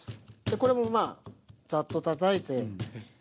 これもまあざっとたたいて。